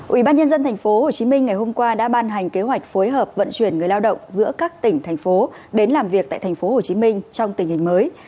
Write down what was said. ủy ban nhân dân tp hcm ngày hôm qua đã ban hành kế hoạch phối hợp vận chuyển người lao động giữa các tỉnh thành phố đến làm việc tại tp hcm trong tình hình mới